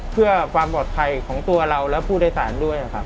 เพื่อความปลอดภัยของตัวเราและผู้โดยสารด้วยครับ